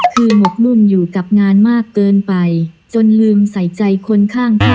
คือหมกนุ่นอยู่กับงานมากเกินไปจนลืมใส่ใจคนข้างข้าง